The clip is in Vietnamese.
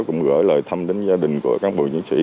cũng gửi lời thăm đến gia đình của cán bộ chiến sĩ